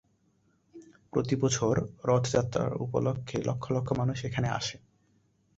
প্রতি বছর রথযাত্রা উপলক্ষে লক্ষ লক্ষ মানুষ এখানে আসে।